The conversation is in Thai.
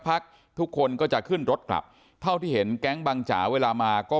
พักทุกคนก็จะขึ้นรถกลับเท่าที่เห็นแก๊งบังจ๋าเวลามาก็